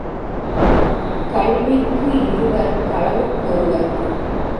கல்விக்கு இருவர், களவுக் கொருவர்.